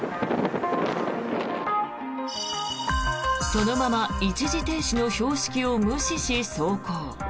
そのまま一時停止の標識を無視し走行。